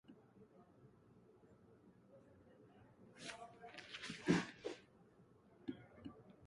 Standartu noteikusi Starptautiskā standartizācijas organizācija un tas ir saistošs banku biznesā visā pasaulē.